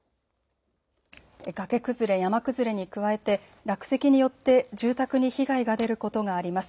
崖崩れ、山崩れに加えて落石によって住宅に被害が出ることがあります。